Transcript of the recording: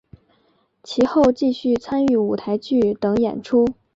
其后继续参与舞台剧等演出。